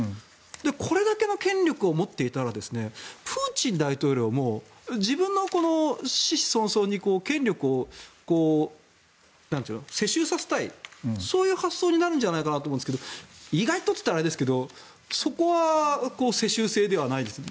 これだけの権力を持っていたらプーチン大統領も自分の権力を世襲させたいという発想になるんじゃないかと思うんですけどそこは世襲制じゃないですね。